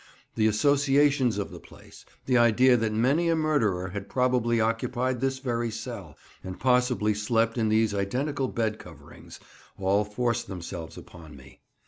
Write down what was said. The associations of the place, the idea that many a murderer had probably occupied this very cell, and possibly slept in these identical bed coverings, all forced themselves upon me.